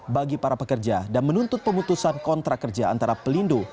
bagi para pekerja dan menuntut pemutusan kontrak kerja antara pelindo